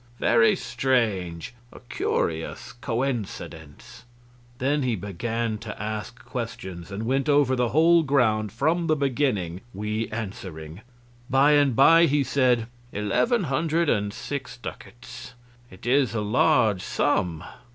very strange. A curious coincidence." Then he began to ask questions, and went over the whole ground from the beginning, we answering. By and by he said: "Eleven hundred and six ducats. It is a large sum."